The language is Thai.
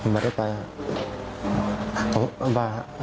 มันไม่ได้ไปครับ